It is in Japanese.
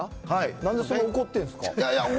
なんでそんな怒ってるんですか。